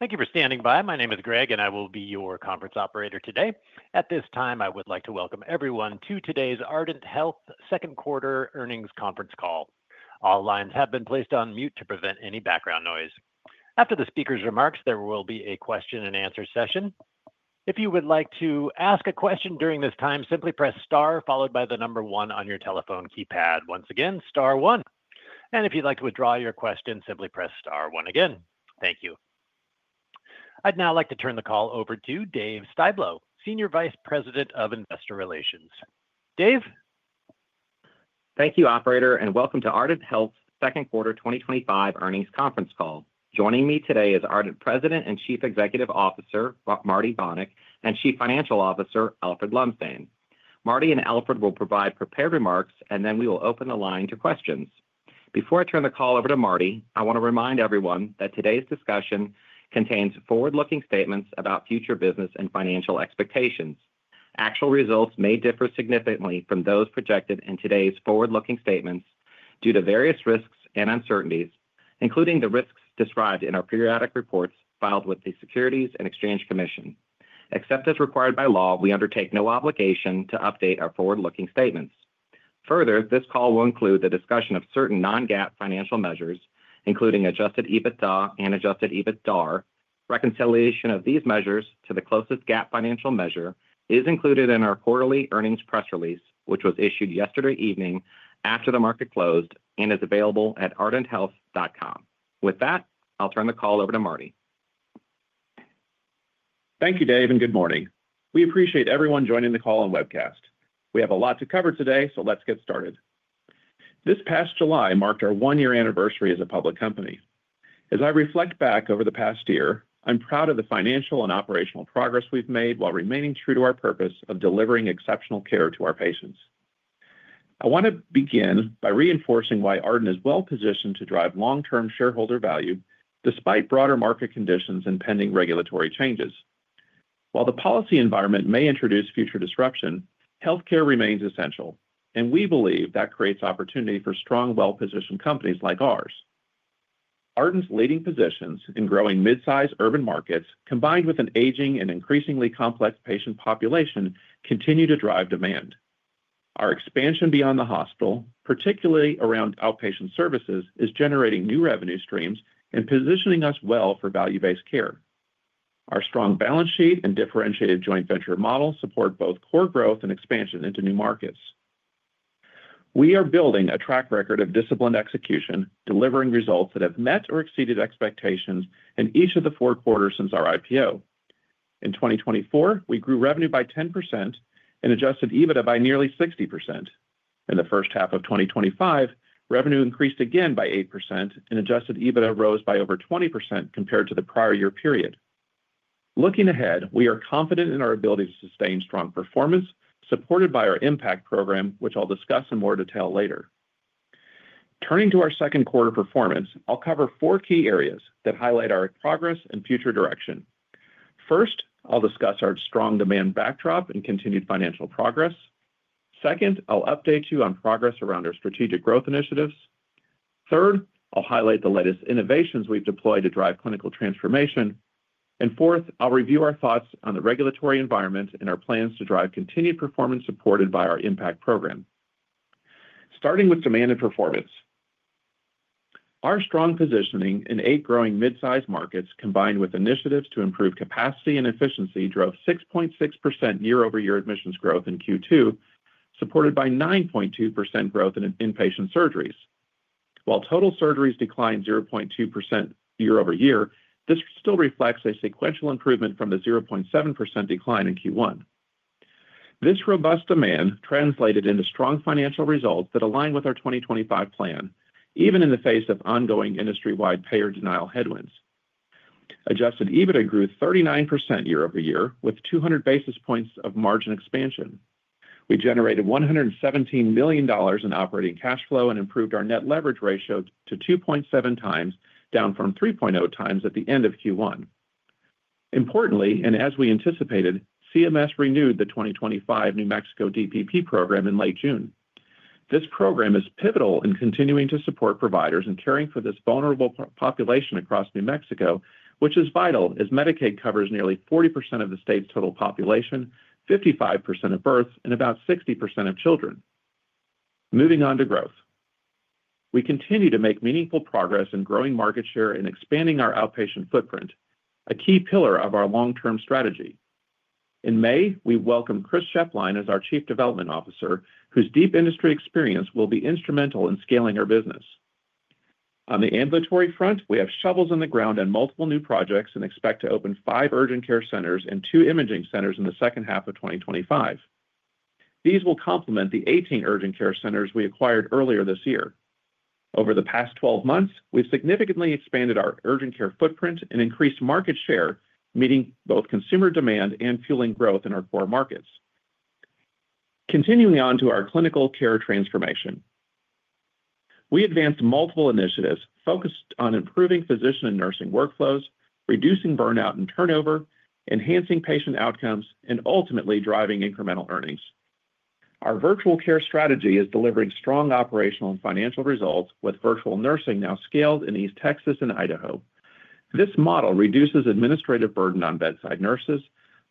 Thank you for standing by. My name is Greg, and I will be your conference operator today. At this time, I would like to Welcome Everyone to today's Ardent Health Second Quarter Earnings Conference Call. All lines have been placed on mute to prevent any background noise. After the speaker's remarks, there will be a question and answer session. If you would like to ask a question during this time, simply press star followed by the number one on your telephone keypad. Once again, star one. If you'd like to withdraw your question, simply press star one again. Thank you. I'd now like to turn the call over to Dave Styblo, Senior Vice President of Investor Relations. Dave? Thank you, operator, and welcome to Ardent Health's second quarter 2025 earnings conference call. Joining me today is Ardent President and Chief Executive Officer, Marty Bonic, and Chief Financial Officer, Alfred Lumsdaine. Marty and Alfred will provide prepared remarks, and then we will open the line to questions. Before I turn the call over to Marty, I want to remind everyone that today's discussion contains forward-looking statements about future business and financial expectations. Actual results may differ significantly from those projected in today's forward-looking statements due to various risks and uncertainties, including the risks described in our periodic reports filed with the Securities and Exchange Commission. Except as required by law, we undertake no obligation to update our forward-looking statements. Further, this call will include the discussion of certain non-GAAP financial measures, including adjusted EBITDA and adjusted EBITDA. Reconciliation of these measures to the closest GAAP financial measure is included in our quarterly earnings press release, which was issued yesterday evening after the market closed and is available at ardenthealth.com. With that, I'll turn the call over to Marty. Thank you, Dave, and good morning. We appreciate everyone joining the call and webcast. We have a lot to cover today, so let's get started. This past July marked our one-year anniversary as a public company. As I reflect back over the past year, I'm proud of the financial and operational progress we've made while remaining true to our purpose of delivering exceptional care to our patients. I want to begin by reinforcing why Ardent Health is well positioned to drive long-term shareholder value despite broader market conditions and pending regulatory changes. While the policy environment may introduce future disruption, healthcare remains essential, and we believe that creates opportunity for strong, well-positioned companies like ours. Ardent Health's leading positions in growing mid-size urban markets, combined with an aging and increasingly complex patient population, continue to drive demand. Our expansion beyond the hospital, particularly around outpatient services, is generating new revenue streams and positioning us well for value-based care. Our strong balance sheet and differentiated joint venture model support both core growth and expansion into new markets. We are building a track record of disciplined execution, delivering results that have met or exceeded expectations in each of the four quarters since our IPO. In 2024, we grew revenue by 10% and adjusted EBITDA by nearly 60%. In the first half of 2025, revenue increased again by 8% and adjusted EBITDA rose by over 20% compared to the prior year period. Looking ahead, we are confident in our ability to sustain strong performance, supported by our impact program, which I'll discuss in more detail later. Turning to our second quarter performance, I'll cover four key areas that highlight our progress and future direction. First, I'll discuss our strong demand backdrop and continued financial progress. Second, I'll update you on progress around our strategic growth initiatives. Third, I'll highlight the latest innovations we've deployed to drive clinical transformation. Fourth, I'll review our thoughts on the regulatory environment and our plans to drive continued performance supported by our impact program. Starting with demand and performance. Our strong positioning in eight growing mid-size markets, combined with initiatives to improve capacity and efficiency, drove 6.6% year-over-year admissions growth in Q2, supported by 9.2% growth in inpatient surgeries. While total surgeries declined 0.2% year-over-year, this still reflects a sequential improvement from the 0.7% decline in Q1. This robust demand translated into strong financial results that align with our 2025 plan, even in the face of ongoing industry-wide payer denial headwinds. Adjusted EBITDA grew 39% year-over-year with 200 basis points of margin expansion. We generated $117 million in operating cash flow and improved our net leverage ratio to 2.7 times, down from 3.0 times at the end of Q1. Importantly, and as we anticipated, CMS renewed the 2025 New Mexico DPP program in late June. This program is pivotal in continuing to support providers and caring for this vulnerable population across New Mexico, which is vital as Medicaid covers nearly 40% of the state's total population, 55% of births, and about 60% of children. Moving on to growth. We continue to make meaningful progress in growing market share and expanding our outpatient footprint, a key pillar of our long-term strategy. In May, we welcomed Chris Schoeplein as our Chief Development Officer, whose deep industry experience will be instrumental in scaling our business. On the ambulatory front, we have shovels in the ground and multiple new projects and expect to open five urgent care centers and two imaging centers in the second half of 2025. These will complement the 18 urgent care centers we acquired earlier this year. Over the past 12 months, we've significantly expanded our urgent care footprint and increased market share, meeting both consumer demand and fueling growth in our core markets. Continuing on to our clinical care transformation. We advanced multiple initiatives focused on improving physician and nursing workflows, reducing burnout and turnover, enhancing patient outcomes, and ultimately driving incremental earnings. Our virtual care strategy is delivering strong operational and financial results with virtual nursing now scaled in East Texas and Idaho. This model reduces administrative burden on bedside nurses,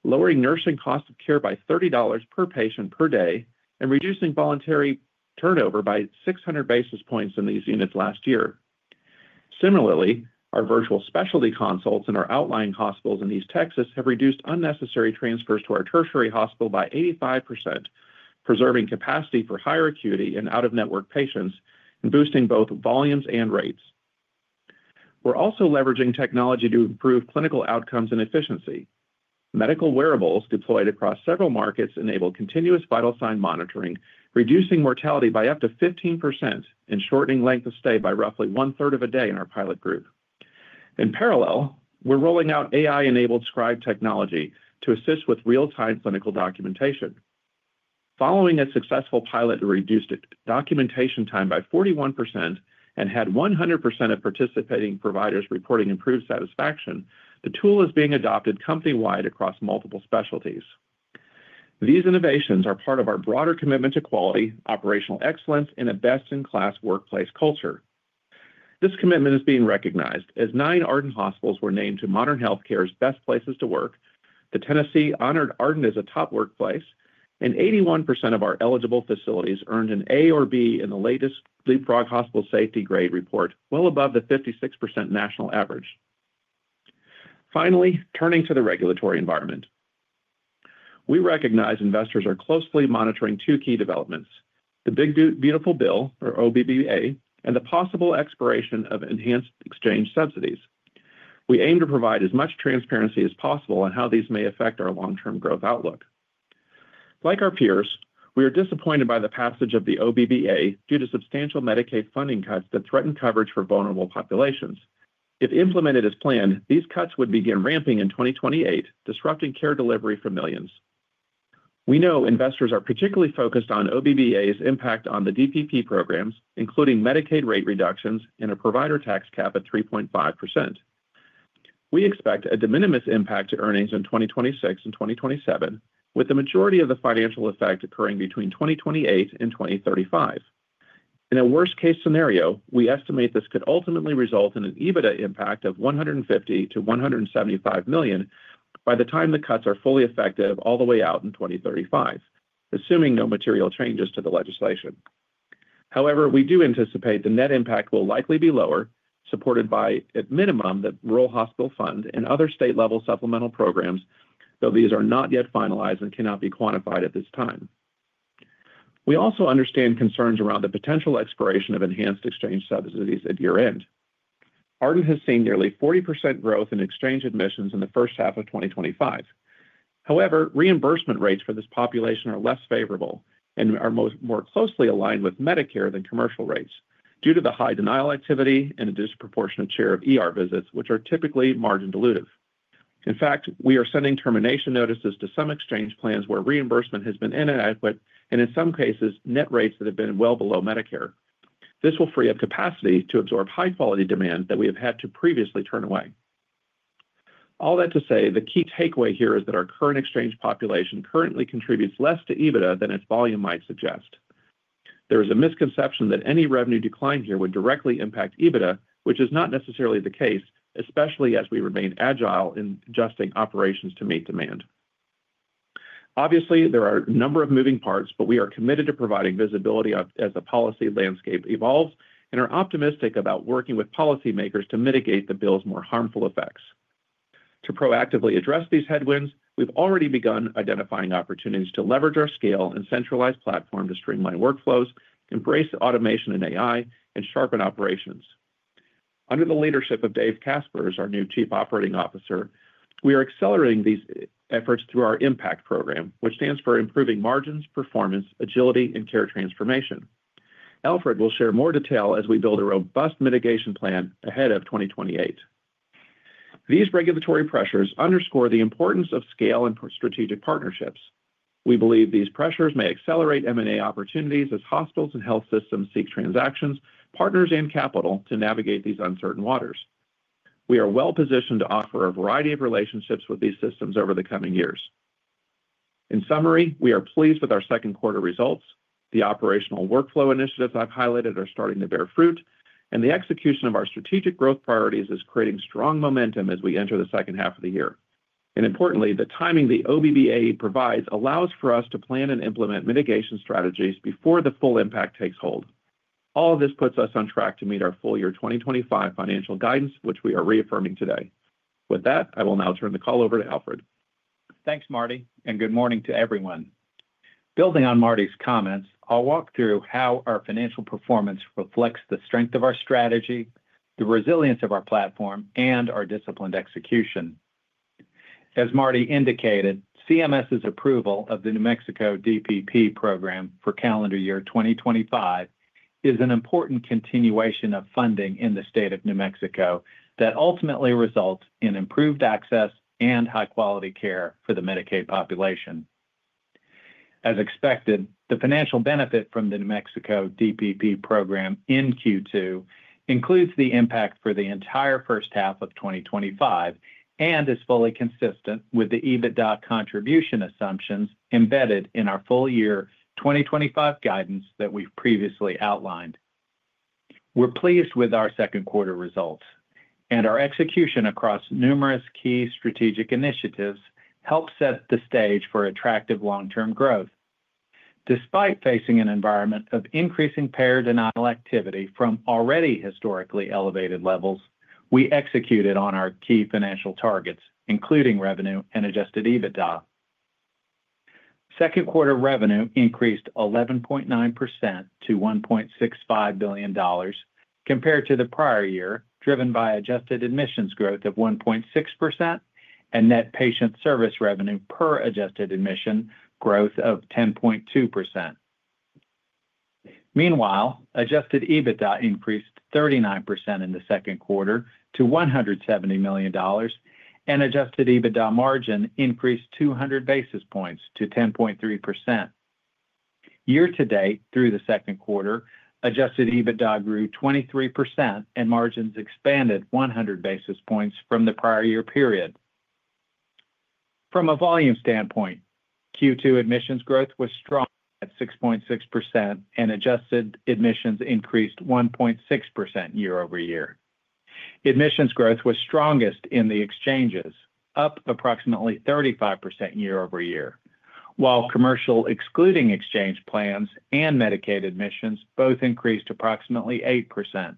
lowering nursing costs of care by $30 per patient per day, and reducing voluntary turnover by 600 basis points in these units last year. Similarly, our virtual specialty consults in our outlying hospitals in East Texas have reduced unnecessary transfers to our tertiary hospital by 85%, preserving capacity for higher acuity and out-of-network patients, and boosting both volumes and rates. We're also leveraging technology to improve clinical outcomes and efficiency. Medical wearables deployed across several markets enable continuous vital sign monitoring, reducing mortality by up to 15% and shortening length of stay by roughly one-third of a day in our pilot group. In parallel, we're rolling out AI-enabled scribe technology to assist with real-time clinical documentation. Following a successful pilot to reduce documentation time by 41% and had 100% of participating providers reporting improved satisfaction, the tool is being adopted company-wide across multiple specialties. These innovations are part of our broader commitment to quality, operational excellence, and a best-in-class workplace culture. This commitment is being recognized as nine Ardent Health hospitals were named to Modern Healthcare's Best Places to Work. The Tennessee honored Ardent Health as a top workplace, and 81% of our eligible facilities earned an A or B in the latest Leapfrog Hospital Safety Grade report, well above the 56% national average. Finally, turning to the regulatory environment. We recognize investors are closely monitoring two key developments: the Big Beautiful Bill, or OBBA, and the possible expiration of enhanced exchange subsidies. We aim to provide as much transparency as possible on how these may affect our long-term growth outlook. Like our peers, we are disappointed by the passage of the OBBA due to substantial Medicaid funding cuts that threaten coverage for vulnerable populations. If implemented as planned, these cuts would begin ramping in 2028, disrupting care delivery for millions. We know investors are particularly focused on OBBA's impact on the DPP programs, including Medicaid rate reductions and a provider tax cap of 3.5%. We expect a de minimis impact to earnings in 2026 and 2027, with the majority of the financial effect occurring between 2028 and 2035. In a worst-case scenario, we estimate this could ultimately result in an EBITDA impact of $150 to $175 million by the time the cuts are fully effective all the way out in 2035, assuming no material changes to the legislation. However, we do anticipate the net impact will likely be lower, supported by, at minimum, the Rural Hospital Fund and other state-level supplemental programs, though these are not yet finalized and cannot be quantified at this time. We also understand concerns around the potential expiration of enhanced exchange subsidies at year-end. Ardent Health has seen nearly 40% growth in exchange admissions in the first half of 2025. However, reimbursement rates for this population are less favorable and are more closely aligned with Medicare than commercial rates due to the high denial activity and a disproportionate share of visits, which are typically margin-dilutive. In fact, we are sending termination notices to some exchange contracts where reimbursement has been inadequate and, in some cases, net rates that have been well below Medicare. This will free up capacity to absorb high-quality demand that we have had to previously turn away. All that to say, the key takeaway here is that our current exchange population currently contributes less to EBITDA than its volume might suggest. There is a misconception that any revenue decline here would directly impact EBITDA, which is not necessarily the case, especially as we remain agile in adjusting operations to meet demand. Obviously, there are a number of moving parts, but we are committed to providing visibility as the policy landscape evolves and are optimistic about working with policymakers to mitigate the bill's more harmful effects. To proactively address these headwinds, we've already begun identifying opportunities to leverage our scale and centralized platform to streamline workflows, embrace automation and AI, and sharpen operations. Under the leadership of Dave Kaspers, our new Chief Operating Officer, we are accelerating these efforts through our impact program, which stands for Improving Margins, Performance, Agility, and Care Transformation. Alfred Lundstein will share more detail as we build a robust mitigation plan ahead of 2028. These regulatory pressures underscore the importance of scale and strategic partnerships. We believe these pressures may accelerate M&A opportunities as hospitals and health systems seek transactions, partners, and capital to navigate these uncertain waters. We are well positioned to offer a variety of relationships with these systems over the coming years. In summary, we are pleased with our second quarter results. The operational workflow initiatives I've highlighted are starting to bear fruit, and the execution of our strategic growth priorities is creating strong momentum as we enter the second half of the year. Importantly, the timing the OBBA provides allows for us to plan and implement mitigation strategies before the full impact takes hold. All of this puts us on track to meet our full-year 2025 financial guidance, which we are reaffirming today. With that, I will now turn the call over to Alfred. Thanks, Marty, and good morning to everyone. Building on Marty's comments, I'll walk through how our financial performance reflects the strength of our strategy, the resilience of our platform, and our disciplined execution. As Marty indicated, CMS's approval of the New Mexico DPP program for calendar year 2025 is an important continuation of funding in the state of New Mexico that ultimately results in improved access and high-quality care for the Medicaid population. As expected, the financial benefit from the New Mexico DPP program in Q2 includes the impact for the entire first half of 2025 and is fully consistent with the EBITDA contribution assumptions embedded in our full-year 2025 guidance that we've previously outlined. We're pleased with our second quarter results, and our execution across numerous key strategic initiatives helps set the stage for attractive long-term growth. Despite facing an environment of increasing payer denial activity from already historically elevated levels, we executed on our key financial targets, including revenue and adjusted EBITDA. Second quarter revenue increased 11.9% to $1.65 billion compared to the prior year, driven by adjusted admissions growth of 1.6% and net patient service revenue per adjusted admission growth of 10.2%. Meanwhile, adjusted EBITDA increased 39% in the second quarter to $170 million, and adjusted EBITDA margin increased 200 basis points to 10.3%. Year to date, through the second quarter, adjusted EBITDA grew 23% and margins expanded 100 basis points from the prior year period. From a volume standpoint, Q2 admissions growth was strong at 6.6% and adjusted admissions increased 1.6% year-over-year. Admissions growth was strongest in the exchanges, up approximately 35% year-over-year, while commercial excluding exchange plans and Medicaid admissions both increased approximately 8%.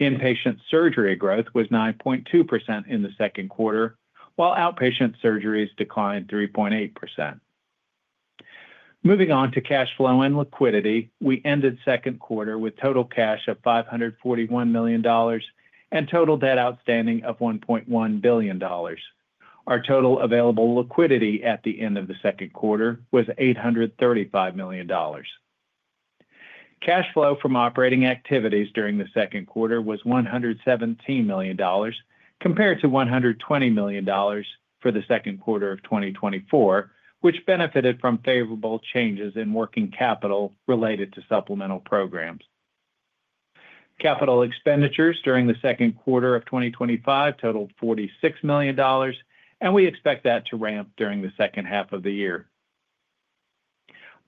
Inpatient surgery growth was 9.2% in the second quarter, while outpatient surgeries declined 3.8%. Moving on to cash flow and liquidity, we ended the second quarter with total cash of $541 million and total debt outstanding of $1.1 billion. Our total available liquidity at the end of the second quarter was $835 million. Cash flow from operating activities during the second quarter was $117 million compared to $120 million for the second quarter of 2024, which benefited from favorable changes in working capital related to supplemental programs. Capital expenditures during the second quarter of 2025 totaled $46 million, and we expect that to ramp during the second half of the year.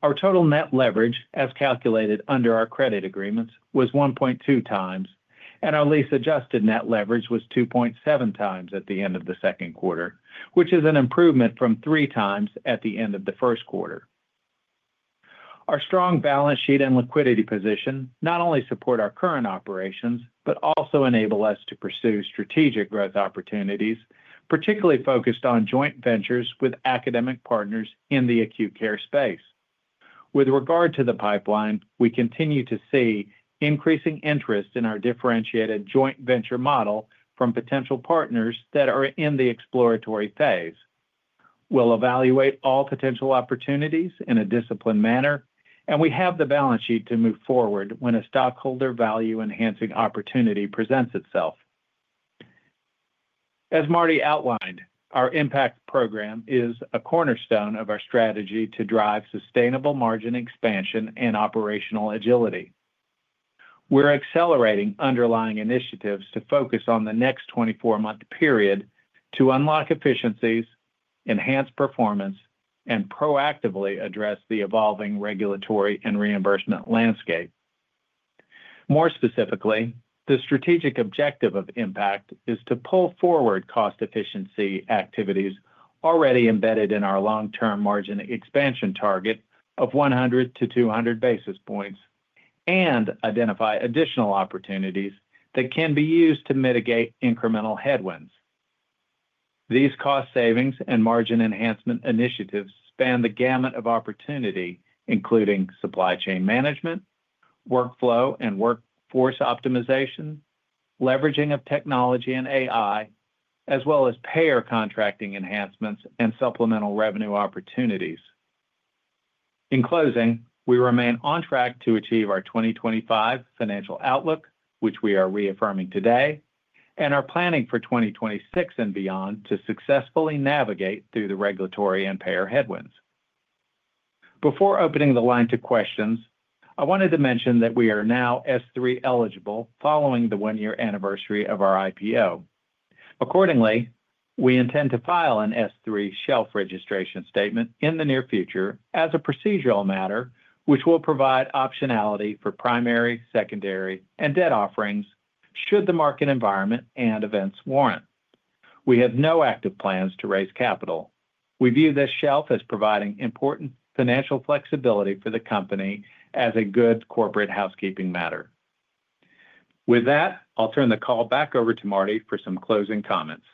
Our total net leverage, as calculated under our credit agreements, was 1.2 times, and our lease adjusted net leverage was 2.7 times at the end of the second quarter, which is an improvement from 3 times at the end of the first quarter. Our strong balance sheet and liquidity position not only support our current operations but also enable us to pursue strategic growth opportunities, particularly focused on joint ventures with academic partners in the acute care space. With regard to the pipeline, we continue to see increasing interest in our differentiated joint venture model from potential partners that are in the exploratory phase. We will evaluate all potential opportunities in a disciplined manner, and we have the balance sheet to move forward when a stockholder value-enhancing opportunity presents itself. As Marty outlined, our impact program is a cornerstone of our strategy to drive sustainable margin expansion and operational agility. We're accelerating underlying initiatives to focus on the next 24-month period to unlock efficiencies, enhance performance, and proactively address the evolving regulatory and reimbursement landscape. More specifically, the strategic objective of impact is to pull forward cost efficiency activities already embedded in our long-term margin expansion target of 100-200 basis points and identify additional opportunities that can be used to mitigate incremental headwinds. These cost savings and margin enhancement initiatives span the gamut of opportunity, including supply chain management, workflow and workforce optimization, leveraging of technology and AI, as well as payer contracting enhancements and supplemental revenue opportunities. In closing, we remain on track to achieve our 2025 financial outlook, which we are reaffirming today, and are planning for 2026 and beyond to successfully navigate through the regulatory and payer headwinds. Before opening the line to questions, I wanted to mention that we are now S-3 eligible following the one-year anniversary of our IPO. Accordingly, we intend to file an S-3 shelf registration statement in the near future as a procedural matter, which will provide optionality for primary, secondary, and debt offerings should the market environment and events warrant. We have no active plans to raise capital. We view this shelf as providing important financial flexibility for the company as a good corporate housekeeping matter. With that, I'll turn the call back over to Marty for some closing comments.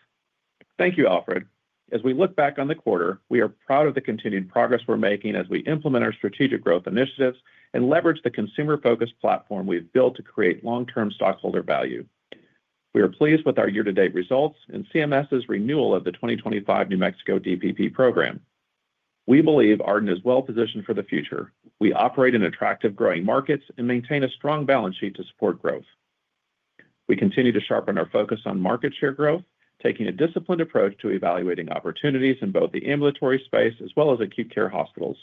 Thank you, Alfred. As we look back on the quarter, we are proud of the continued progress we're making as we implement our strategic growth initiatives and leverage the consumer-focused platform we've built to create long-term stockholder value. We are pleased with our year to date results and CMS's renewal of the 2025 New Mexico DPP program. We believe Ardent Health is well positioned for the future. We operate in attractive growing markets and maintain a strong balance sheet to support growth. We continue to sharpen our focus on market share growth, taking a disciplined approach to evaluating opportunities in both the ambulatory space as well as acute care hospitals.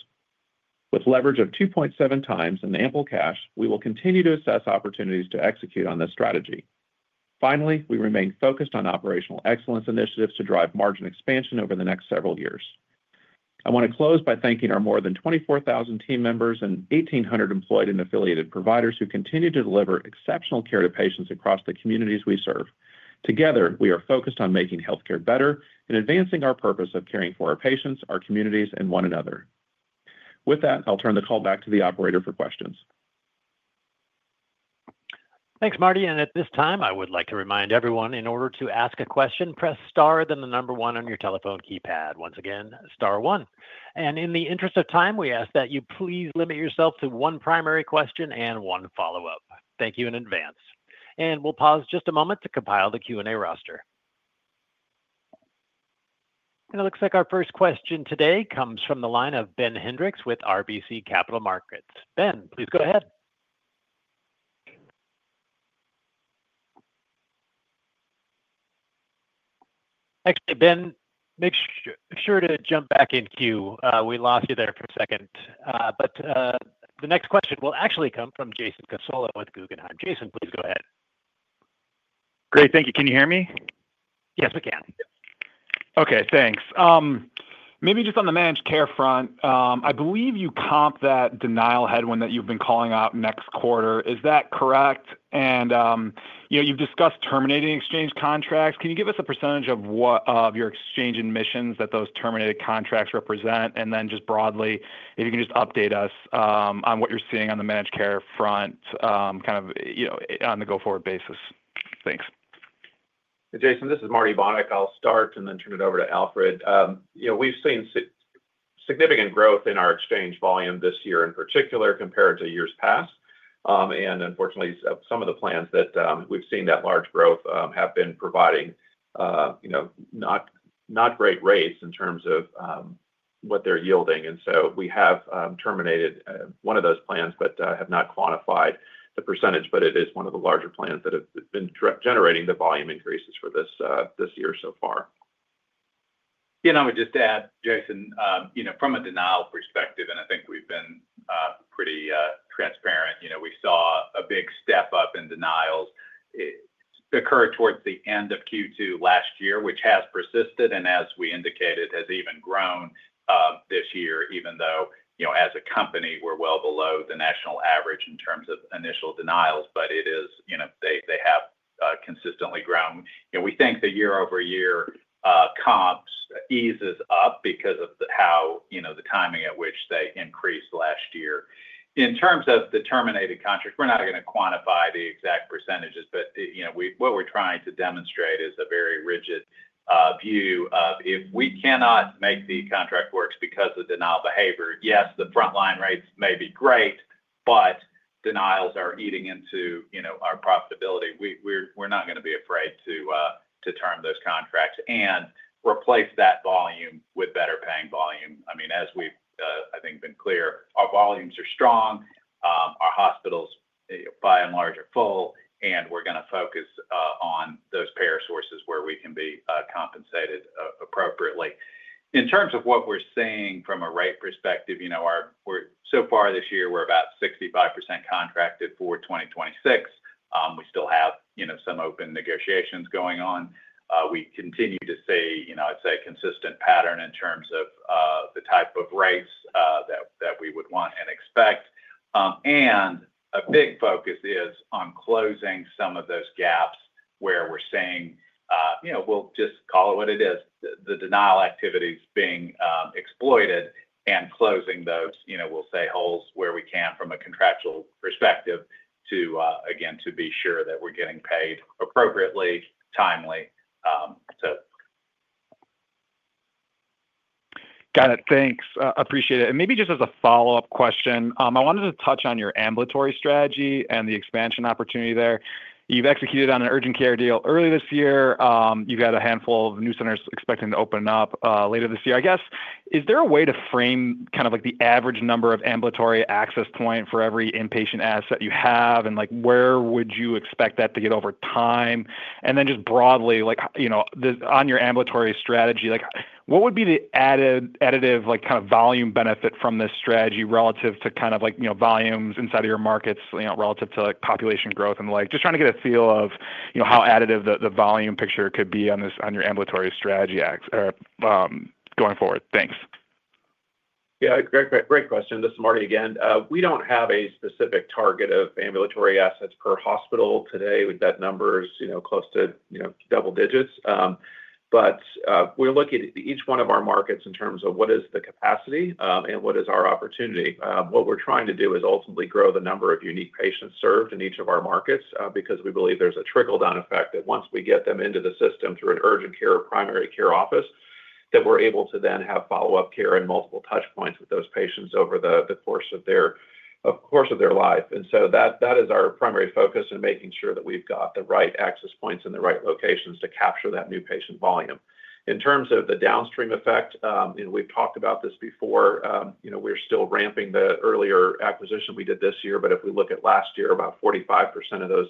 With leverage of 2.7 times and ample cash, we will continue to assess opportunities to execute on this strategy. Finally, we remain focused on operational excellence initiatives to drive margin expansion over the next several years. I want to close by thanking our more than 24,000 team members and 1,800 employed and affiliated providers who continue to deliver exceptional care to patients across the communities we serve. Together, we are focused on making healthcare better and advancing our purpose of caring for our patients, our communities, and one another. With that, I'll turn the call back to the operator for questions. Thanks, Marty. At this time, I would like to remind everyone, in order to ask a question, press star, then the number one on your telephone keypad. Once again, star one. In the interest of time, we ask that you please limit yourself to one primary question and one follow-up. Thank you in advance. We'll pause just a moment to compile the Q&A roster. It looks like our first question today comes from the line of Ben Hendricks with RBC Capital Markets. Ben, please go ahead. Thanks, Ben. Make sure to jump back in queue. We lost you there for a second. The next question will actually come from Jason Cassorla with Guggenheim. Jason, please go ahead. Great, thank you. Can you hear me? Yes Yes, we can. OK, thanks. Maybe just on the managed care front, I believe you comp that denial headwind that you've been calling out next quarter. Is that correct? You've discussed terminating exchange contracts. Can you give us a percentage of your exchange admissions that those terminated contracts represent? If you can just update us on what you're seeing on the managed care front, kind of on the go-forward basis. Thanks. Jason, this is Marty Bonick. I'll start and then turn it over to Alfred. We've seen significant growth in our exchange volume this year, in particular, compared to years past. Unfortunately, some of the plans that we've seen that large growth have been providing not great rates in terms of what they're yielding. We have terminated one of those plans but have not quantified the percentage. It is one of the larger plans that have been generating the volume increases for this year so far. Yeah, and I would just add, Jason, from a denial perspective, I think we've been pretty transparent. We saw a big step up in denials occur towards the end of Q2 last year, which has persisted and, as we indicated, has even grown this year, even though as a company, we're well below the national average in terms of initial denials. They have consistently grown. We think the year-over-year comps ease up because of how the timing at which they increased last year. In terms of the terminated contracts, we're not going to quantify the exact percentages. What we're trying to demonstrate is a very rigid view of if we cannot make the contract work because of denial behavior, yes, the frontline rates may be great, but denials are eating into our profitability. We're not going to be afraid to term those contracts and replace that volume with better paying volume. As we've, I think, been clear, our volumes are strong. Our hospitals, by and large, are full. We're going to focus on those payer sources where we can be compensated appropriately. In terms of what we're seeing from a rate perspective, so far this year, we're about 65% contracted for 2026. We still have some open negotiations going on. We continue to see, I'd say, a consistent pattern in terms of the type of rates that we would want and expect. A big focus is on closing some of those gaps where we're seeing, we'll just call it what it is, the denial activities being exploited and closing those, we'll say, holes where we can from a contractual perspective to, again, be sure that we're getting paid appropriately, timely. Got it. Thanks. Appreciate it. Maybe just as a follow-up question, I wanted to touch on your ambulatory strategy and the expansion opportunity there. You've executed on an urgent care deal early this year. You've got a handful of new centers expecting to open up later this year. I guess, is there a way to frame kind of like the average number of ambulatory access points for every inpatient asset you have? Where would you expect that to get over time? Just broadly, on your ambulatory strategy, what would be the additive kind of volume benefit from this strategy relative to kind of volumes inside of your markets relative to population growth? Just trying to get a feel of how additive the volume picture could be on your ambulatory strategy going forward. Thanks. Yeah, great question. This is Marty again. We don't have a specific target of ambulatory assets per hospital today. That number is close to double digits. We're looking at each one of our markets in terms of what is the capacity and what is our opportunity. What we're trying to do is ultimately grow the number of unique patients served in each of our markets because we believe there's a trickle-down effect that once we get them into the system through an urgent care or primary care office, we're able to then have follow-up care and multiple touch points with those patients over the course of their life. That is our primary focus in making sure that we've got the right access points in the right locations to capture that new patient volume. In terms of the downstream effect, we've talked about this before. We're still ramping the earlier acquisition we did this year. If we look at last year, about 45% of those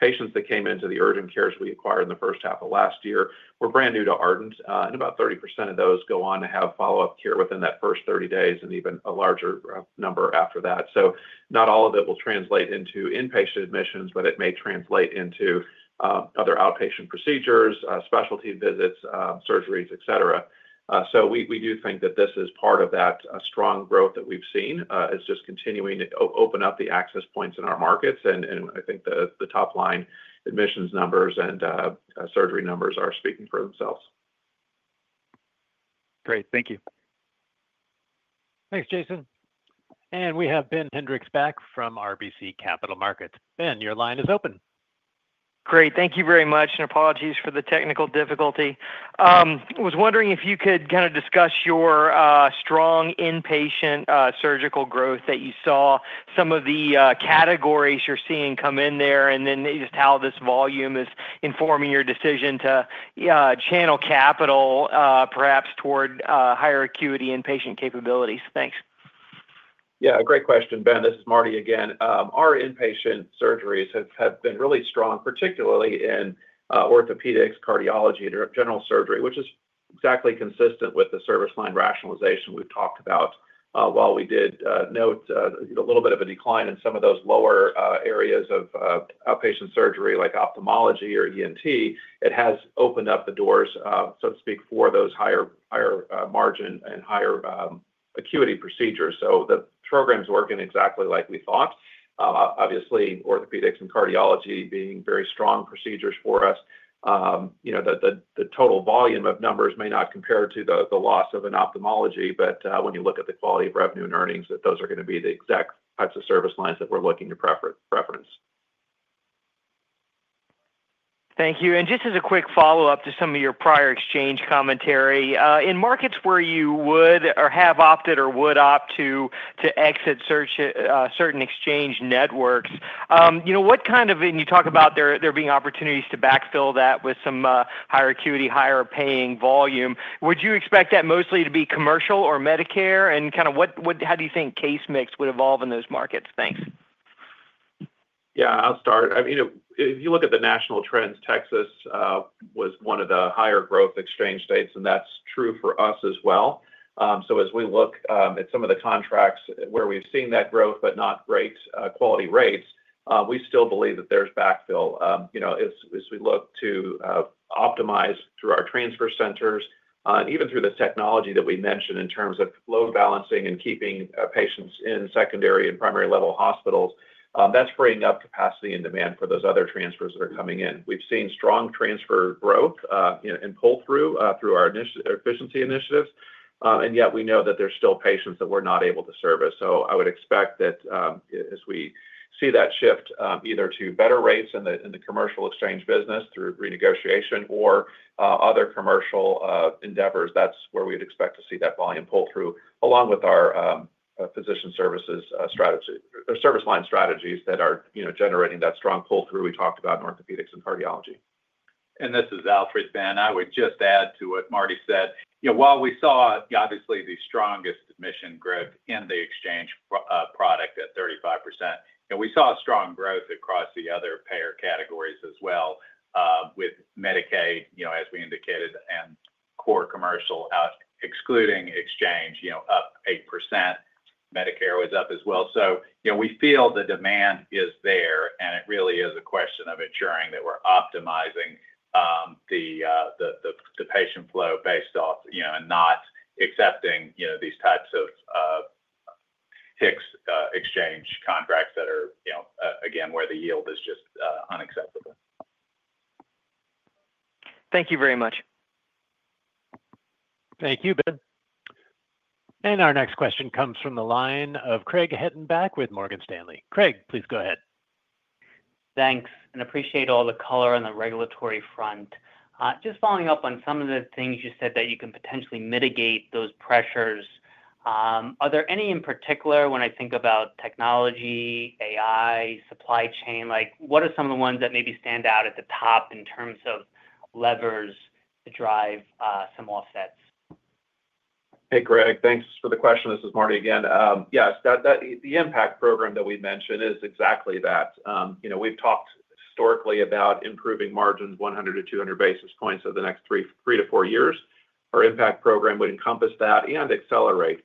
patients that came into the urgent cares we acquired in the first half of last year were brand new to Ardent Health. About 30% of those go on to have follow-up care within that first 30 days and even a larger number after that. Not all of it will translate into inpatient admissions, but it may translate into other outpatient procedures, specialty visits, surgeries, et cetera. We do think that this is part of that strong growth that we've seen as just continuing to open up the access points in our markets. I think the top line admissions numbers and surgery numbers are speaking for themselves. Great. Thank you. Thanks, Jason. We have Ben Hendrick back from RBC Capital Markets. Ben, your line is open. Great. Thank you very much. Apologies for the technical difficulty. I was wondering if you could discuss your strong inpatient surgical growth that you saw, some of the categories you're seeing come in there, and then just how this volume is informing your decision to channel capital, perhaps toward higher acuity inpatient capabilities. Thanks. Yeah, great question, Ben. This is Marty again. Our inpatient surgeries have been really strong, particularly in orthopedics, cardiology, and general surgery, which is exactly consistent with the service line rationalization we've talked about. While we did note a little bit of a decline in some of those lower areas of outpatient surgery, like ophthalmology or ENT, it has opened up the doors, so to speak, for those higher margin and higher acuity procedures. The program's working exactly like we thought. Obviously, orthopedics and cardiology being very strong procedures for us, the total volume of numbers may not compare to the loss of an ophthalmology. When you look at the quality of revenue and earnings, those are going to be the exact types of service lines that we're looking to reference. Thank you. Just as a quick follow-up to some of your prior exchange commentary, in markets where you would or have opted or would opt to exit certain exchange networks, what kind of, and you talk about there being opportunities to backfill that with some higher acuity, higher paying volume, would you expect that mostly to be commercial or medicare? How do you think case mix would evolve in those markets? Thanks. Yeah, I'll start. I mean, if you look at the national trends, Texas was one of the higher growth exchange states. That's true for us as well. As we look at some of the contracts where we've seen that growth but not great quality rates, we still believe that there's backfill. As we look to optimize through our transfer centers and even through the technology that we mentioned in terms of load balancing and keeping patients in secondary and primary level hospitals, that's freeing up capacity and demand for those other transfers that are coming in. We've seen strong transfer growth and pull-through through our efficiency initiatives. Yet we know that there's still patients that we're not able to service. I would expect that as we see that shift either to better rates in the commercial exchange business through renegotiation or other commercial endeavors, that's where we would expect to see that volume pull-through, along with our physician services strategy or service line strategies that are generating that strong pull-through we talked about in orthopedics and cardiology. This is Alfred. I would just add to what Marty said. While we saw, obviously, the strongest admission growth in the exchange product at 35%, we saw strong growth across the other payer categories as well, with Medicaid, as we indicated, and core commercial, excluding exchange, up 8%. Medicare was up as well. We feel the demand is there. It really is a question of ensuring that we're optimizing the patient flow based off and not accepting these types of exchange contracts that are, again, where the yield is just unacceptable. Thank you very much. Thank you, Ben. Our next question comes from the line of Craig Hettenbach with Morgan Stanley. Craig, please go ahead. Thanks. I appreciate all the color on the regulatory front. Just following up on some of the things you said that you can potentially mitigate those pressures, are there any in particular when I think about technology, AI, supply chain? What are some of the ones that maybe stand out at the top in terms of levers to drive some offsets? Hey, Greg. Thanks for the question. This is Marty again. Yes, the impact program that we mentioned is exactly that. We've talked historically about improving margins 100 to 200 basis points over the next three to four years. Our impact program would encompass that and accelerate.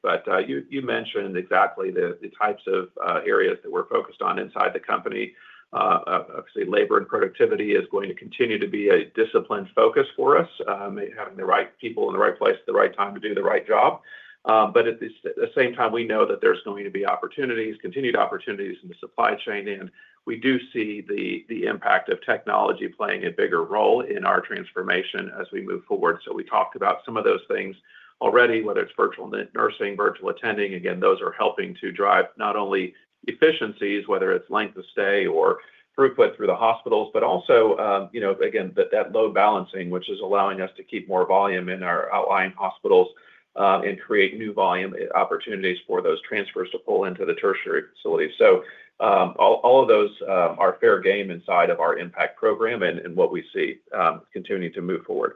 You mentioned exactly the types of areas that we're focused on inside the company. Obviously, labor and productivity is going to continue to be a disciplined focus for us, having the right people in the right place at the right time to do the right job. At the same time, we know that there's going to be opportunities, continued opportunities in the supply chain. We do see the impact of technology playing a bigger role in our transformation as we move forward. We talked about some of those things already, whether it's virtual nursing, virtual attending. Those are helping to drive not only efficiencies, whether it's length of stay or throughput through the hospitals, but also that load balancing, which is allowing us to keep more volume in our outlying hospitals and create new volume opportunities for those transfers to pull into the tertiary facilities. All of those are fair game inside of our impact program and what we see continuing to move forward.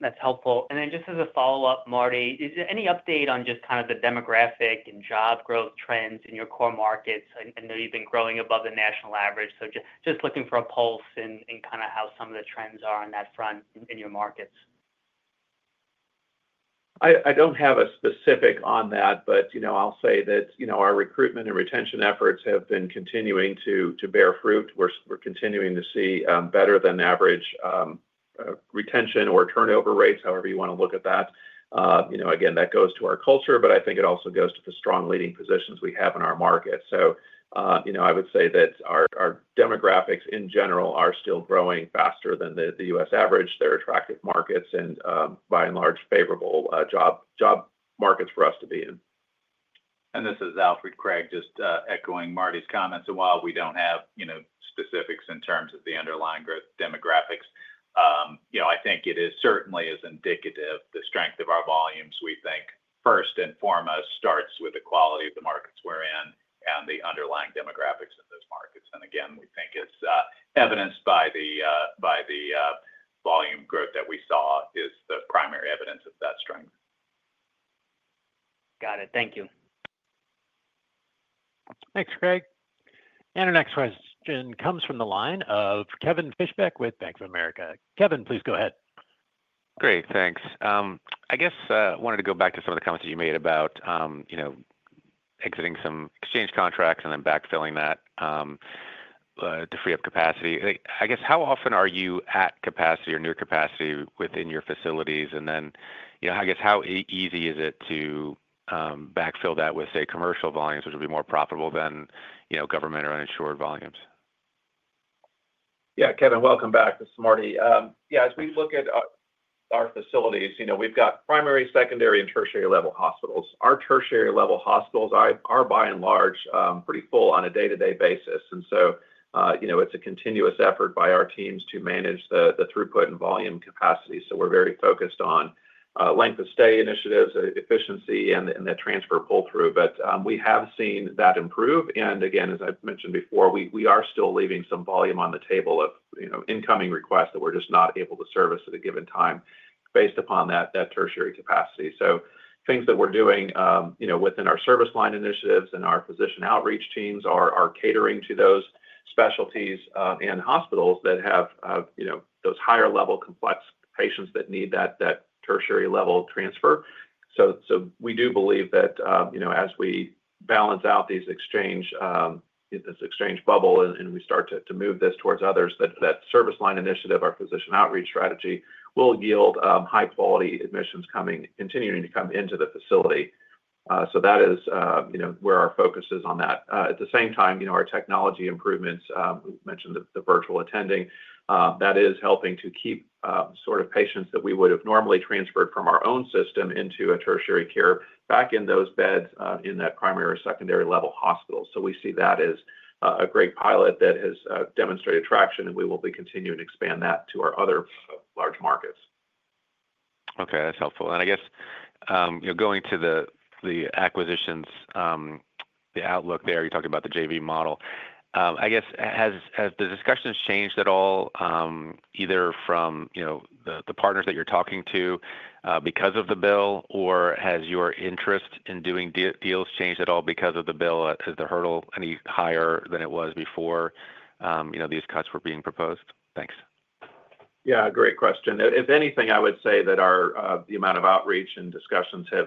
That's helpful. Just as a follow-up, Marty, any update on just kind of the demographic and job growth trends in your core markets? I know you've been growing above the national average. I'm just looking for a pulse in kind of how some of the trends are on that front in your markets. I don't have a specific on that. I'll say that our recruitment and retention efforts have been continuing to bear fruit. We're continuing to see better than average retention or turnover rates, however you want to look at that. That goes to our culture. I think it also goes to the strong leading positions we have in our market. I would say that our demographics, in general, are still growing faster than the U.S. average. They're attractive markets and, by and large, favorable job markets for us to be in. This is Alfred, Craig, just echoing Marty's comments. While we don't have specifics in terms of the underlying growth demographics, I think it certainly is indicative of the strength of our volumes. We think, first and foremost, it starts with the quality of the markets we're in and the underlying demographics of those markets. We think it's evidenced by the volume growth that we saw as the primary evidence of that strength. Got it. Thank you. Thanks, Craig. Our next question comes from the line of Kevin Fischbeck with Bank of America. Kevin, please go ahead. Great, thanks. I guess I wanted to go back to some of the comments that you made about exiting some exchange contracts and then backfilling that to free up capacity. I guess, how often are you at capacity or near capacity within your facilities? I guess, how easy is it to backfill that with, say, commercial volumes, which would be more profitable than government or uninsured volumes? Yeah, Kevin, welcome back. This is Marty. As we look at our facilities, we've got primary, secondary, and tertiary level hospitals. Our tertiary level hospitals are, by and large, pretty full on a day-to-day basis. It's a continuous effort by our teams to manage the throughput and volume capacity. We're very focused on length of stay initiatives, efficiency, and the transfer pull-through. We have seen that improve. As I mentioned before, we are still leaving some volume on the table of incoming requests that we're just not able to service at a given time based upon that tertiary capacity. Things that we're doing within our service line initiatives and our physician outreach teams are catering to those specialties and hospitals that have those higher level complex patients that need that tertiary level transfer. We do believe that as we balance out this exchange bubble and we start to move this towards others, that service line initiative, our physician outreach strategy, will yield high-quality admissions continuing to come into the facility. That is where our focus is on that. At the same time, our technology improvements, we mentioned the virtual attending, that is helping to keep sort of patients that we would have normally transferred from our own system into a tertiary care back in those beds in that primary or secondary level hospital. We see that as a great pilot that has demonstrated traction. We will continue to expand that to our other large markets. OK, that's helpful. I guess, going to the acquisitions, the outlook there, you talked about the JV model. I guess, have the discussions changed at all, either from the partners that you're talking to because of the bill, or has your interest in doing deals changed at all because of the bill? Is the hurdle any higher than it was before these cuts were being proposed? Thanks. Yeah, great question. If anything, I would say that the amount of outreach and discussions has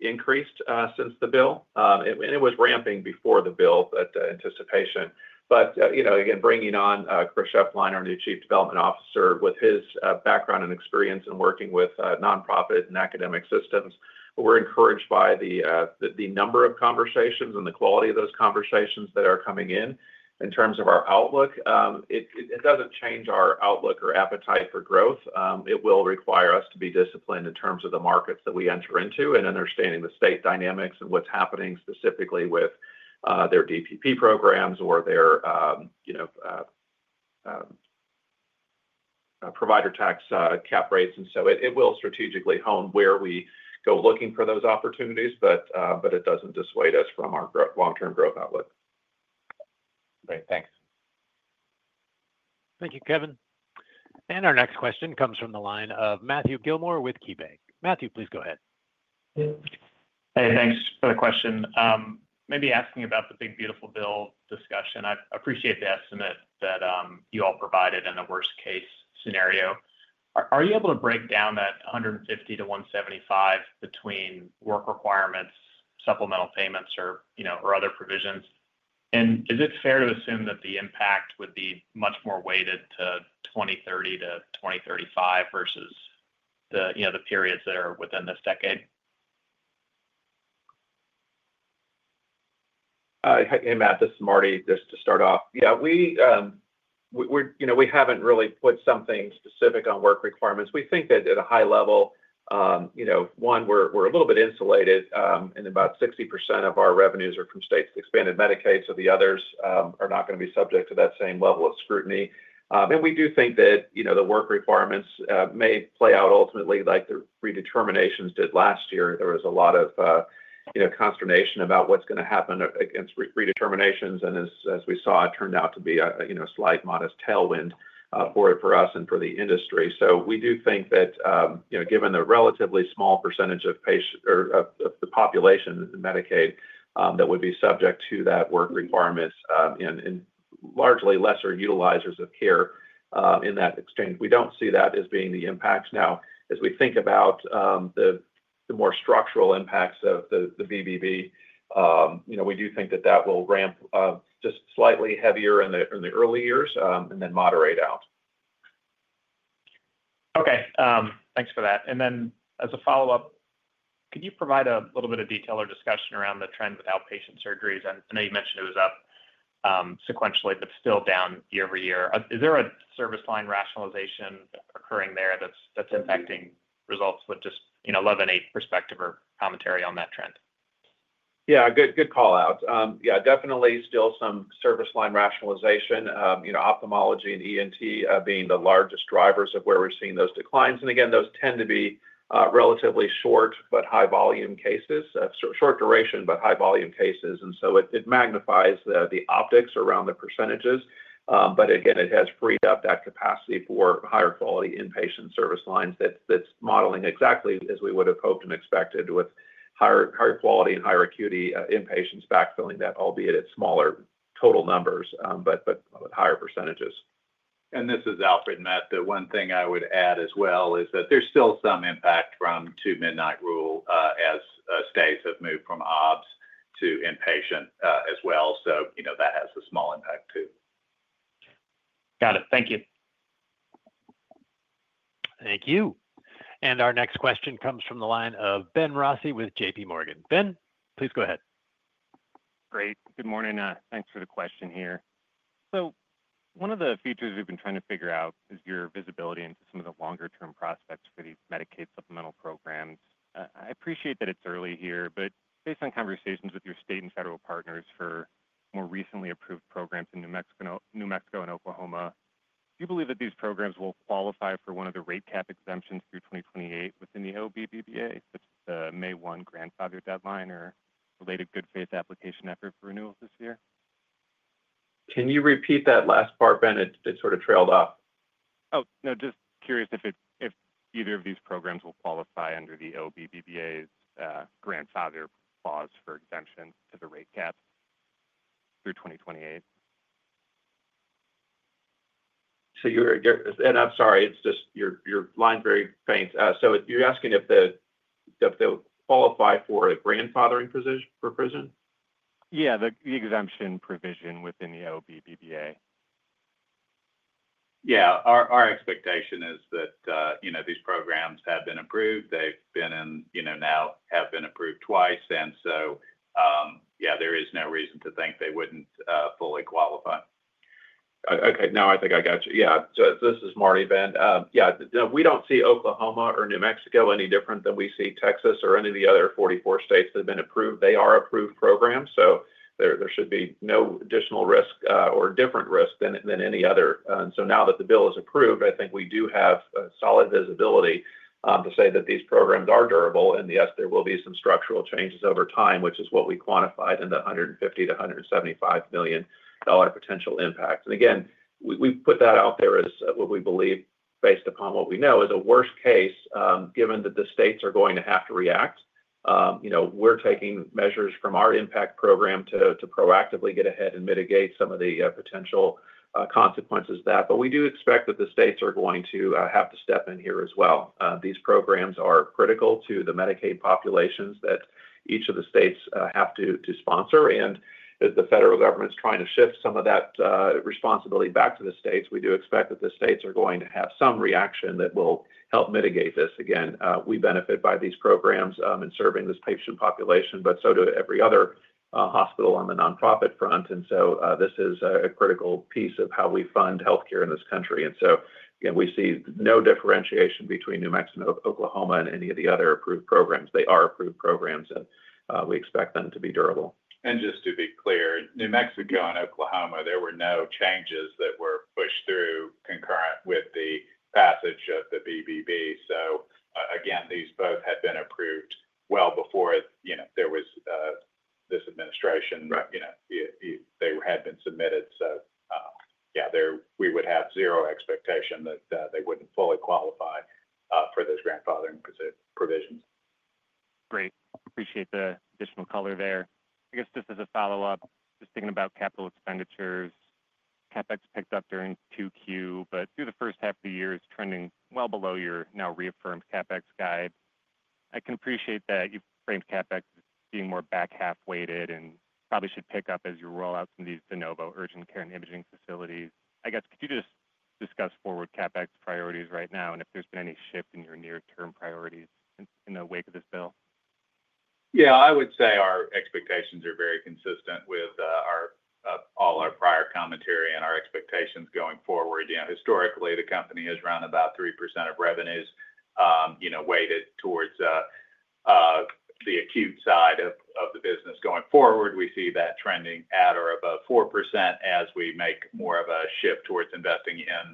increased since the bill. It was ramping before the bill, anticipation. Again, bringing on Chris Sheplin, our new Chief Development Officer, with his background and experience in working with nonprofit and academic systems, we're encouraged by the number of conversations and the quality of those conversations that are coming in. In terms of our outlook, it doesn't change our outlook or appetite for growth. It will require us to be disciplined in terms of the markets that we enter into and understanding the space dynamics and what's happening specifically with their DPP programs or their provider tax cap rates. It will strategically hone where we go looking for those opportunities. It doesn't dissuade us from our long-term growth outlook. Great, thanks. Thank you, Kevin. Our next question comes from the line of Matthew Gilmore with KeyBank. Matthew, please go ahead. Hey, thanks for the question. Maybe asking about the OBBA (Big Beautiful Bill) discussion. I appreciate the estimate that you all provided in a worst-case scenario. Are you able to break down that $150 to $175 between work requirements, supplemental payments, or other provisions? Is it fair to assume that the impact would be much more weighted to 2030 to 2035 versus the periods there within this decade? Hey, Matt. This is Marty, just to start off. Yeah, we haven't really put something specific on work requirements. We think that at a high level, one, we're a little bit insulated. About 60% of our revenues are from states that expanded Medicaid. The others are not going to be subject to that same level of scrutiny. We do think that the work requirements may play out ultimately like the redeterminations did last year. There was a lot of consternation about what's going to happen against redeterminations. As we saw, it turned out to be a slight modest tailwind for us and for the industry. We do think that given the relatively small % of the population in Medicaid that would be subject to that work requirement and largely lesser utilizers of care in that exchange, we don't see that as being the impact. As we think about the more structural impacts of the OBBA, we do think that that will ramp just slightly heavier in the early years and then moderate out. OK, thanks for that. As a follow-up, could you provide a little bit of detail or discussion around the trend with outpatient surgeries? I know you mentioned it was up sequentially but still down year-over-year. Is there a service line rationalization occurring there that's impacting results? Just levitate perspective or commentary on that trend. Good call out. Definitely still some service line rationalization, ophthalmology and ENT being the largest drivers of where we're seeing those declines. Those tend to be relatively short but high-volume cases, short duration but high-volume cases. It magnifies the optics around the percentages. It has freed up that capacity for higher quality inpatient service lines that's modeling exactly as we would have hoped and expected with higher quality and higher acuity inpatients backfilling that, albeit at smaller total numbers but higher percentages. This is Alfred and Matt the one thing I would add as well is that there's still some impact from two midnight rule, as stays have moved from obs to inpatient as well. That has a small impact, too. Got it. Thank you. Thank you. Our next question comes from the line of Ben Rossi with JPMorgan. Ben, please go ahead. Great. Good morning. Thanks for the question here. One of the features we've been trying to figure out is your visibility into some of the longer-term prospects for these Medicaid supplemental programs. I appreciate that it's early here. Based on conversations with your state and federal partners for more recently approved programs in New Mexico and Oklahoma, do you believe that these programs will qualify for one of the rate cap exemptions through 2028 within the OBBA, the May 1 grandfather deadline or related good faith application effort for renewals this year? Can you repeat that last part, Ben? It sort of trailed off. Oh, no, just curious if either of these programs will qualify under the OBBA's grandfather clause for exemption to the rate cap through 2028. I'm sorry, your line's very faint. You're asking if they'll qualify for a grandfathering provision? Yeah, the exemption provision within the OBBA. Our expectation is that these programs have been approved. They've been in, now have been approved twice. There is no reason to think they wouldn't fully qualify. OK, now I think I got you. Yeah, so this is Marty, Ben. Yeah, we don't see Oklahoma or New Mexico any different than we see Texas or any of the other 44 states that have been approved. They are approved programs. There should be no additional risk or different risk than any other. Now that the bill is approved, I think we do have solid visibility to say that these programs are durable. Yes, there will be some structural changes over time, which is what we quantified in the $150 to $175 million potential impact. Again, we put that out there as what we believe, based upon what we know, as a worst case, given that the states are going to have to react. We're taking measures from our impact program to proactively get ahead and mitigate some of the potential consequences of that. We do expect that the states are going to have to step in here as well. These programs are critical to the Medicaid populations that each of the states have to sponsor. The federal government is trying to shift some of that responsibility back to the states. We do expect that the states are going to have some reaction that will help mitigate this. Again, we benefit by these programs in serving this patient population, but so do every other hospital on the nonprofit front. This is a critical piece of how we fund health care in this country. We see no differentiation between New Mexico, Oklahoma, and any of the other approved programs. They are approved programs, and we expect them to be durable. To be clear, New Mexico and Oklahoma, there were no changes that were pushed through concurrent with the passage of the OBBA. These both had been approved well before this administration. They had been submitted. We would have zero expectation that they wouldn't fully qualify for those grandfathering provisions. Great. Appreciate the additional color there. I guess just as a follow-up, just thinking about capital expenditures, CapEx picked up during Q2, but through the first half of the year, it's trending well below your now reaffirmed CapEx guide. I can appreciate that you've framed CapEx as being more back half weighted and probably should pick up as you roll out some of these de novo urgent care and imaging facilities. I guess, could you just discuss forward CapEx priorities right now and if there's been any shift in your near-term priorities in the wake of this bill? Yeah, I would say our expectations are very consistent with all our prior commentary and our expectations going forward. Historically, the company has run about 3% of revenues weighted towards the acute side of the business. Going forward, we see that trending at or above 4% as we make more of a shift towards investing in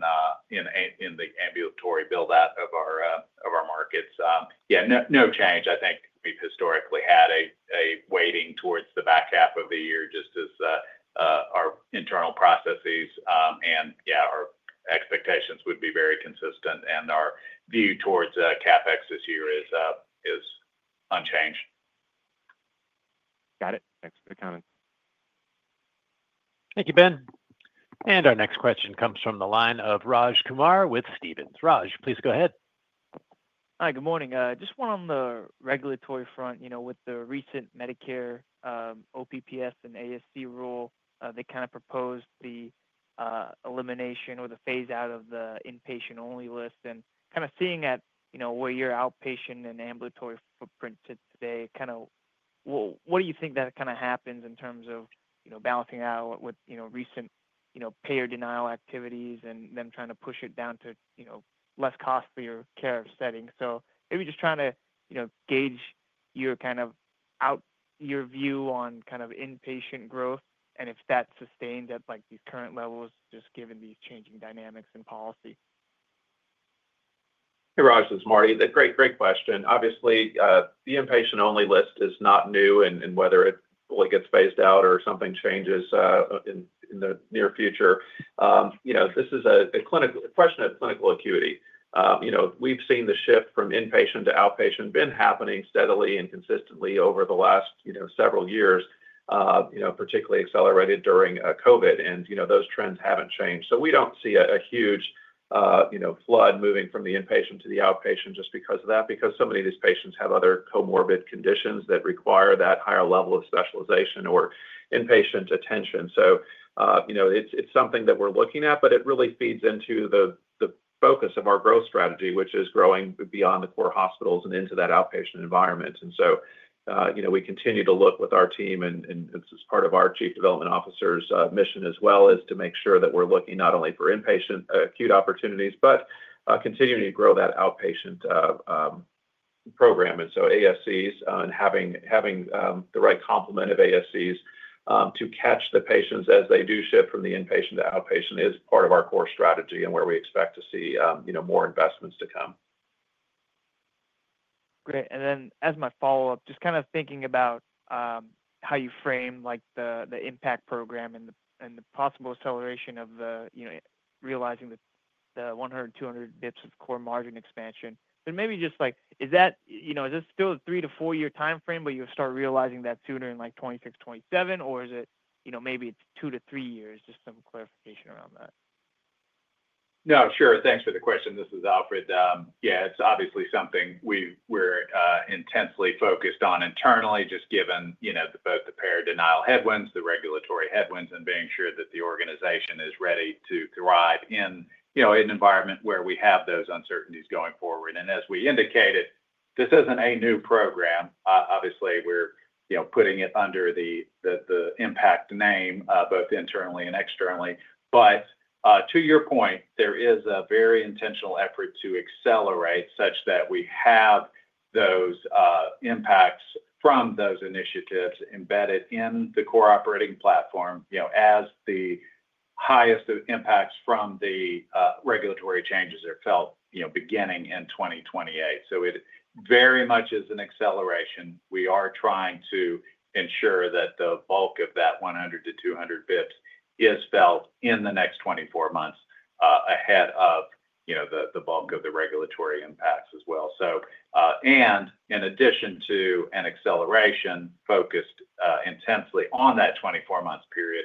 the ambulatory build-out of our markets. No change. I think we've historically had a weighting towards the back half of the year, just as our internal processes and our expectations would be very consistent. Our view towards CapEx this year is unchanged. Got it. Thanks for the comment. Thank you, Ben. Our next question comes from the line of Raj Kumar with Stephens. Raj, please go ahead. Hi, good morning. Just one on the regulatory front. With the recent Medicare OPPS and ASC rule, they kind of proposed the elimination or the phase out of the inpatient only list. Looking at where your outpatient and ambulatory footprint sits today, what do you think happens in terms of balancing out with recent payer denial activities and them trying to push it down to less cost for your care setting? Maybe just trying to gauge your view on inpatient growth and if that's sustained at these current levels, given these changing dynamics and policy. Hey, Raj. This is Marty. Great question. Obviously, the inpatient only list is not new. Whether it fully gets phased out or something changes in the near future, this is a question of clinical acuity. We've seen the shift from inpatient to outpatient happening steadily and consistently over the last several years, particularly accelerated during COVID. Those trends haven't changed. We don't see a huge flood moving from the inpatient to the outpatient just because of that, because so many of these patients have other comorbid conditions that require that higher level of specialization or inpatient attention. It's something that we're looking at. It really feeds into the focus of our growth strategy, which is growing beyond the core hospitals and into that outpatient environment. We continue to look with our team. This is part of our Chief Development Officer's mission as well, to make sure that we're looking not only for inpatient acute opportunities but continuing to grow that outpatient program. ASCs and having the right complement of ASCs to catch the patients as they do shift from the inpatient to outpatient is part of our core strategy and where we expect to see more investments to come. Great. As my follow-up, just kind of thinking about how you frame the impact program and the possible acceleration of realizing the 100, 200 basis points of core margin expansion. Maybe just like, is this still a three to four-year time frame, but you'll start realizing that sooner in like 2026, 2027? Is it maybe it's two to three years? Just some clarification around that. No, sure. Thanks for the question. This is Alfred. Yeah, it's obviously something we're intensely focused on internally, just given both the payer denial headwinds, the regulatory headwinds, and being sure that the organization is ready to thrive in an environment where we have those uncertainties going forward. As we indicated, this isn't a new program. We're putting it under the impact name both internally and externally. To your point, there is a very intentional effort to accelerate such that we have those impacts from those initiatives embedded in the core operating platform as the highest impacts from the regulatory changes are felt beginning in 2028. It very much is an acceleration. We are trying to ensure that the bulk of that 100 to 200 basis points is felt in the next 24 months ahead of the bulk of the regulatory impacts as well. In addition to an acceleration focused intensely on that 24-month period,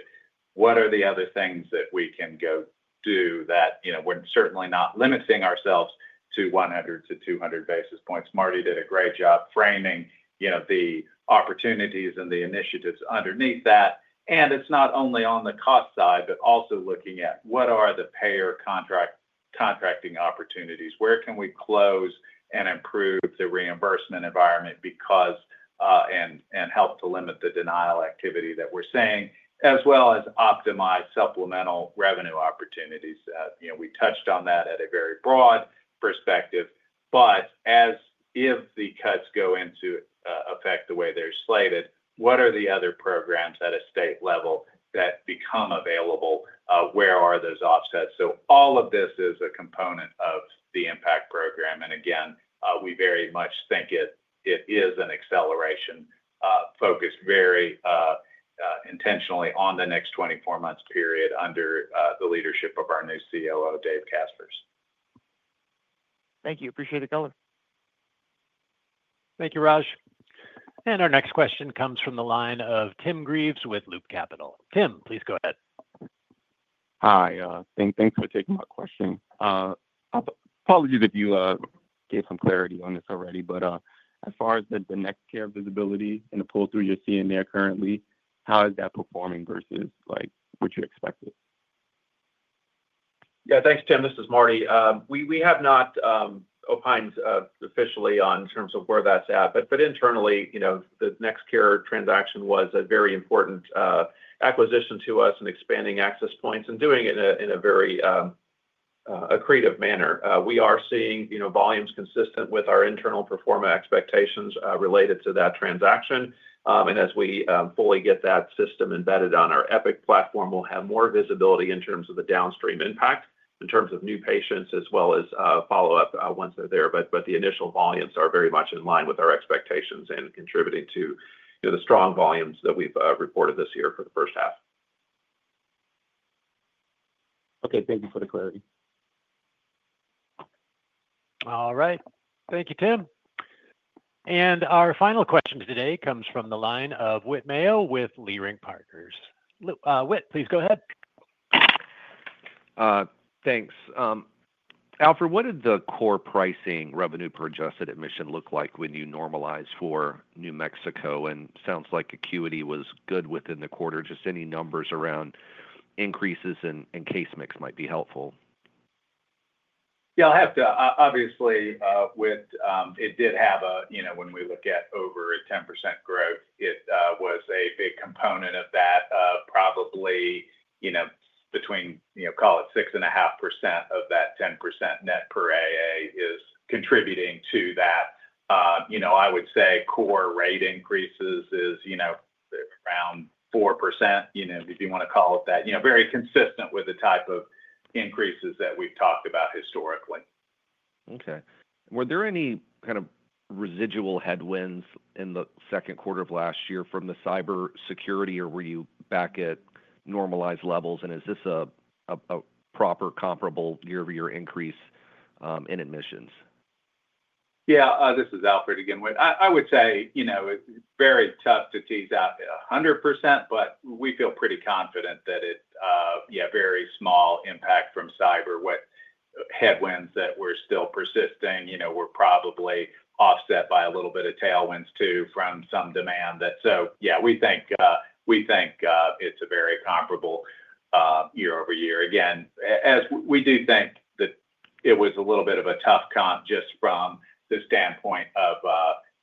what are the other things that we can go do that we're certainly not limiting ourselves to 100-200 basis points? Marty did a great job framing the opportunities and the initiatives underneath that. It's not only on the cost side, but also looking at what are the payer contracting opportunities. Where can we close and improve the reimbursement environment and help to limit the denial activity that we're seeing, as well as optimize supplemental revenue opportunities? We touched on that at a very broad perspective. As if the cuts go into effect the way they're slated, what are the other programs at a state level that become available? Where are those offsets? All of this is a component of the impact program. We very much think it is an acceleration focused very intentionally on the next 24-month period under the leadership of our new COO, Dave Kaspers. Thank you. Appreciate it, Kevin. Thank you, Raj. Our next question comes from the line of Tim Greaves with Loop Capital. Tim, please go ahead. Hi. Thanks for taking my question. Apologies if you gave some clarity on this already. As far as the NextCare visibility and the pull-through you're seeing there currently, how is that performing versus what you expected? Yeah, thanks, Tim. This is Marty. We have not opined officially in terms of where that's at. Internally, the NextCare transaction was a very important acquisition to us in expanding access points and doing it in a very creative manner. We are seeing volumes consistent with our internal performance expectations related to that transaction. As we fully get that system embedded on our Epic platform, we'll have more visibility in terms of the downstream impact, in terms of new patients as well as follow-up once they're there. The initial volumes are very much in line with our expectations and contributing to the strong volumes that we've reported this year for the first half. OK, thank you for the clarity. All right. Thank you, Tim. Our final question today comes from the line of Whit Mayo with Leerink Partners. Whit, please go ahead. Thanks. Alfred, what did the core pricing revenue per adjusted admission look like when you normalized for New Mexico? It sounds like acuity was good within the quarter. Any numbers around increases in case mix might be helpful. Yeah, obviously, Whit, it did have a, you know, when we look at over a 10% growth, it was a big component of that. Probably, you know, between, you know, call it 6.5% of that 10% net per AA is contributing to that. I would say core rate increases is, you know, around 4%, you know, if you want to call it that, you know, very consistent with the type of increases that we've talked about historically. OK. Were there any kind of residual headwinds in the second quarter of last year from the cybersecurity, or were you back at normalized levels? Is this a proper comparable year-over-year increase in admissions? Yeah, this is Alfred again. I would say, you know, very tough to tease out 100%. We feel pretty confident that it, yeah, very small impact from cyber. What headwinds that were still persisting were probably offset by a little bit of tailwinds, too, from some demand. We think it's a very comparable year-over-year. Again, we do think that it was a little bit of a tough comp just from the standpoint of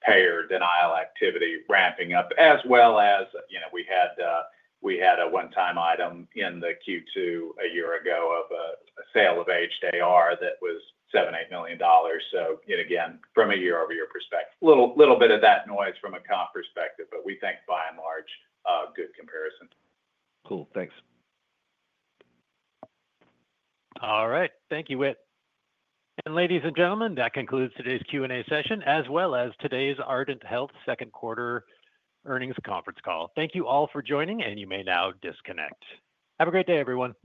payer denial activity ramping up, as well as, you know, we had a one-time item in Q2 a year ago of a sale of aged AR that was $7 million, $8 million. Again, from a year-over-year perspective, a little bit of that noise from a comp perspective. We think, by and large, a good comparison. Cool. Thanks. All right. Thank you, Whit. Ladies and gentlemen, that concludes today's Q&A session, as well as today's Ardent Health second quarter earnings conference call. Thank you all for joining. You may now disconnect. Have a great day, everyone.